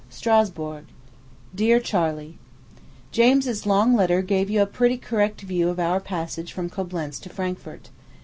STRASBURG. DEAR CHARLEY: James's long letter gave you a pretty correct view of our passage from Coblentz to Frankfort.